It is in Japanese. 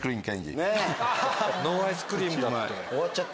ノーアイスクリームだって。